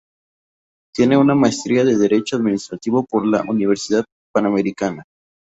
Tiene una maestría en Derecho Administrativo por la Universidad Panamericana.